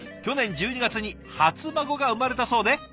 去年１２月に初孫が生まれたそうで。